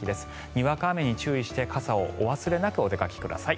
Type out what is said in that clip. にわか雨に注意して傘をお忘れなくお出かけください。